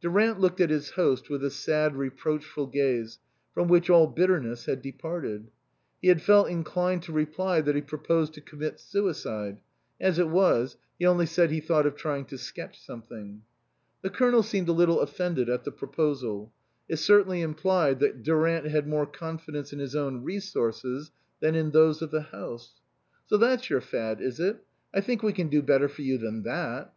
Durant looked at his host with a sad reproach ful gaze from which all bitterness had departed. He had felt inclined to reply that he proposed to commit suicide ; as it was, he only said he thought of trying to sketch something. The Colonel seemed a little offended at the proposal ; it certainly implied that Durant had more confidence in his own resources than in those of the house. "So that's your fad, is it? I think we can do better for you than that."